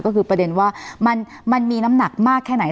ก็คือประเด็นว่ามันมีน้ำหนักมากแค่ไหน